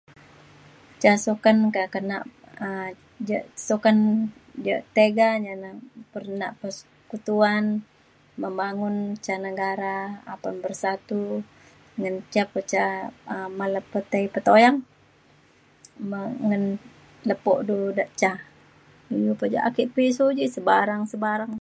ca sokan ka kena um ja sokan ja' tega jane perenak persekutuan membangun ca negara apan bersatu ngan ja pe ca man le petai petoyang me ngan lepo du da ca. iu pe ja ake pisu ji sebarang sebarang